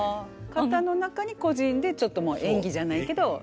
型の中に個人でちょっと演技じゃないけどやって。